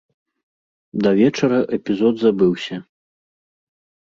Да вечара эпізод забыўся.